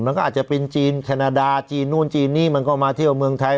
มันก็อาจจะเป็นจีนแคนาดาจีนนู่นจีนนี่มันก็มาเที่ยวเมืองไทย